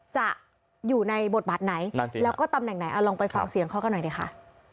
จะอยู่ในบทบาทไหนแล้วก็ตำแหน่งไหนเอาลองไปฟังเสียงเขากันหน่อยดีค่ะ